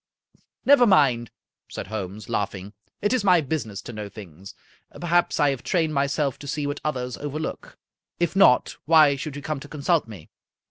"" Never mind," said Holmes, laughing, " it is my busi ness to know things. Perhaps I have trained myself to see what others overlook. If not, why should you come to consult me?"